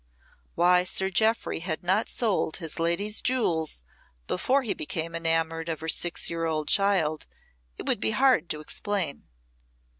Why Sir Jeoffry had not sold his lady's jewels before he became enamoured of her six year old child it would be hard to explain.